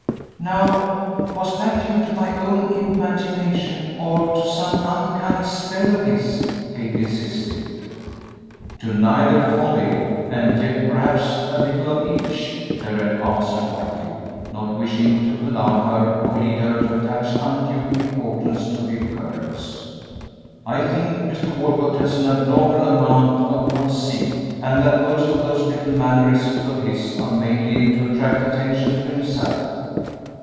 "Now, was that due to my own imagination or to some uncanny spell of his?" Kate insisted. "To neither wholly, and yet perhaps a little of each," Darrell answered, lightly, not wishing to alarm her or lead her to attach undue importance to the occurrence. "I think Mr. Walcott has an abnormal amount of conceit, and that most of those little mannerisms of his are mainly to attract attention to himself.